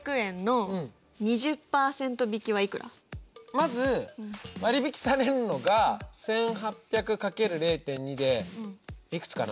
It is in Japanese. まず割引されるのが１８００×０．２でいくつかな。